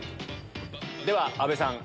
では阿部さん。